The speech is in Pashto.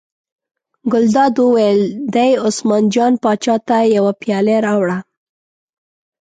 ګلداد وویل: دې عثمان جان پاچا ته یوه پیاله راوړه.